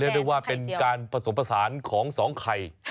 ได้ว่าเป็นการผสมผสานของสองไข่